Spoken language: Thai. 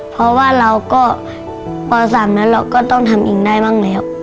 เพราะว่าเราก็ป๓แล้วเราก็ต้องทำเองได้บ้างแล้ว